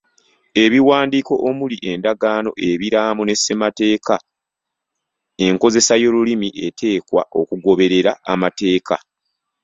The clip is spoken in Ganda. Ebiwandiiko omuli endagaano, ebiraamo ne ssemateeka enkozesa y'olulimi eteekwa okugoberera amateeka.